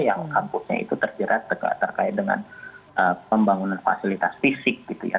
yang kampusnya itu terjerat terkait dengan pembangunan fasilitas fisik gitu ya